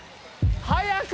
早く！